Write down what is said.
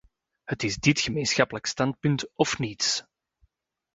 Het is dit gemeenschappelijk standpunt of niets!